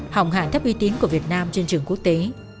hỏng hạ thấp uy tín của việt nam trên trường quốc tế